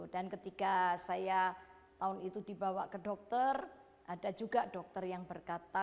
dan ketika saya tahun itu dibawa ke dokter ada juga dokter yang berkata